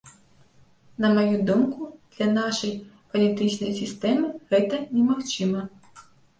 На маю думку, для нашай фанетычнай сістэмы гэта немагчыма.